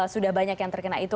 sudah banyak yang terkena itu